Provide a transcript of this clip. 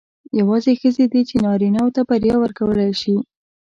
یوازې ښځې دي چې نارینه وو ته بریا ورکولای شي.